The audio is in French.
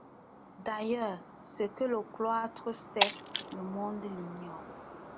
D'ailleurs, ce que le cloître sait, le monde l'ignore.